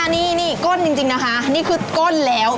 นี่ก้นจริงนะคะนี่คือก้นแล้ว